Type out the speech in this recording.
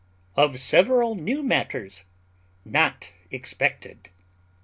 _Of several new matters not expected.